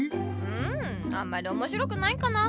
うんあんまりおもしろくないかな。